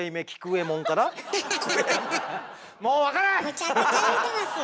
むちゃくちゃ言うてますよ。